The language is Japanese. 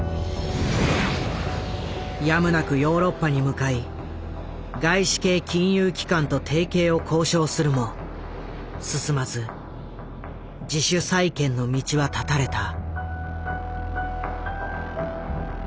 やむなくヨーロッパに向かい外資系金融機関と提携を交渉するも進まず自主再建の道は絶たれた。